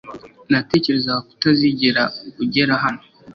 Natekerezaga ko utazigera ugera hano